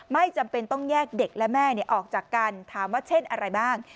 ไม่จำเป็นต้องแยกเด็กและแม่ออกจากกันถามว่าเช่นอะไรบ้าง